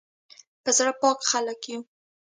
په زړه پاک خلک یو